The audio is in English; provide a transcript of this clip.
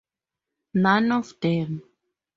None of them.